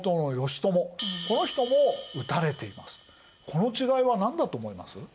この違いは何だと思います？